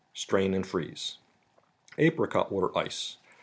Strain and freeze. apricot mater Sice.